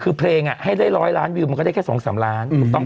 คือเพลงอะให้ได้ร้อยล้านวิวมันก็ได้แค่สองสามล้านอืม